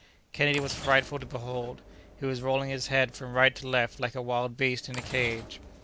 Kennedy was frightful to behold. He was rolling his head from right to left like a wild beast in a cage.